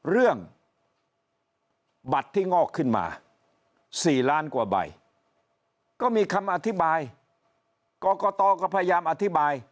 เรื่องบัตรที่งอกขึ้นมา๔ล้านกว่าใบก็มีคำอธิบายกรกตก็พยายามอธิบาย